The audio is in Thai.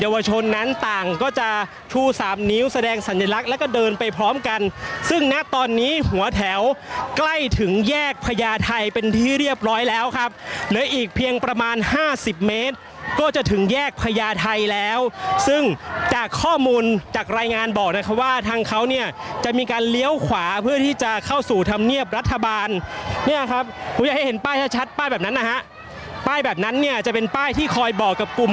วันนี้หัวแถวกล้ายถึงแยกพญาไทยเป็นที่เรียบร้อยแล้วครับเหลืออีกเพียงประมาณห้าสิบเมตรก็จะถึงแยกพญาไทยแล้วซึ่งจากข้อมูลจากรายงานบอกนะครับว่าทางเขาเนี่ยจะมีการเลี้ยวขวาเพื่อที่จะเข้าสู่ธรรมเนียบรัฐบาลเนี่ยครับผมจะให้เห็นป้ายชัดป้ายแบบนั้นนะฮะป้ายแบบนั้นเนี่ยจะเป็นป้ายที่คอยบอก